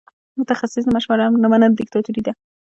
د متخصصینو مشوره نه منل دیکتاتوري ده.